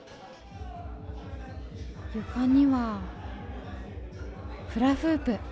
床にはフラフープ！？